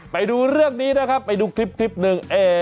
ไปดูเรื่องนี้นะครับไปดูคลิปหนึ่ง